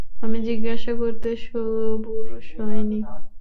আমাকে জিজ্ঞাসা করতে সবুর সয় নি?